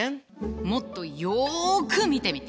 もっとよく見てみて。